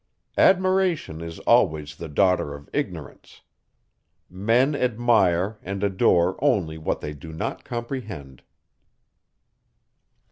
Admiration is always the daughter of ignorance. Men admire and adore only what they do not comprehend.